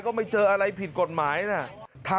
ก็ไม่เจออะไรผิดกฎหมายนะครับ